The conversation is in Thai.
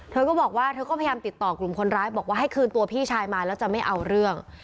เธอก็บอกว่าเธอก็พยายามติดต่อกลุ่มคนร้ายบอกว่าให้คืนตัวพี่ชายมาแล้วจะไม่เอาเรื่อง